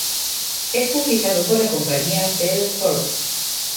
Es publicado por la compañía Belo Corp.